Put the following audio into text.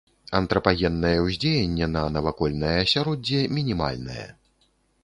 Антрапагеннае ўздзеянне на навакольнае асяроддзе мінімальнае.